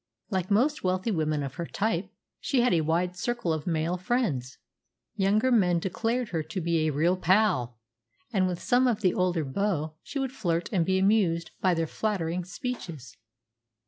Like most wealthy women of her type, she had a wide circle of male friends. Younger men declared her to be "a real pal," and with some of the older beaux she would flirt and be amused by their flattering speeches.